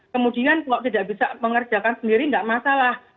kemudian kalau tidak bisa mengerjakan sendiri tidak masalah